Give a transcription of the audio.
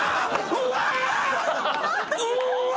うわ！